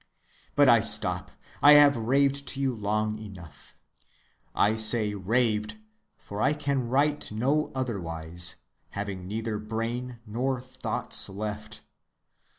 But I stop. I have raved to you long enough. I say raved, for I can write no otherwise, having neither brain nor thoughts left.